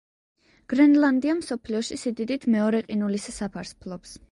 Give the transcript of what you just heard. გრენლანდია მსოფლიოში სიდიდით მეორე ყინულის საფარს ფლობს.